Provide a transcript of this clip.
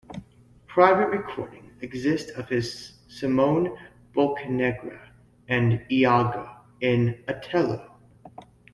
Private recordings exist of his Simon Boccanegra and Iago in "Otello".